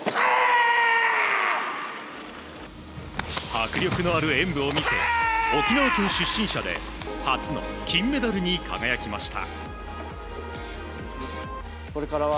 迫力のある演武を見せ沖縄県出身者で初の金メダルに輝きました。